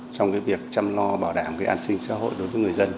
trong việc chăm lo bảo đảm an sinh xã hội đối với người dân